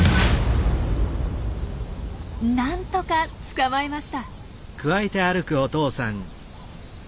なんとか捕まえました。